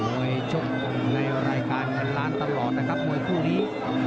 ชกในรายการเงินล้านตลอดนะครับมวยคู่นี้